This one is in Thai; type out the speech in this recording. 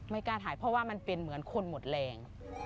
กล้าถ่ายเพราะว่ามันเป็นเหมือนคนหมดแรง